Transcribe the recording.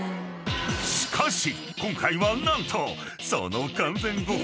［しかし今回は何とその完全極秘の印刷